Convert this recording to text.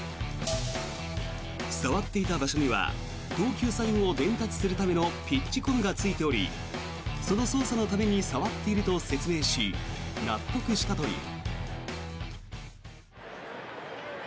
触っていた場所には投球サインを伝達するためのピッチコムがついておりその操作のために触っていると説明し納得したという。